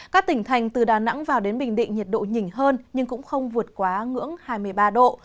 các tỉnh thành từ đà nẵng vào đến bình định nhiệt độ nhỉnh hơn nhưng cũng không vượt quá ngưỡng hai mươi ba độ